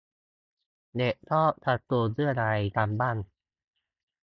เด็กชอบการ์ตูนเรื่องอะไรกันบ้าง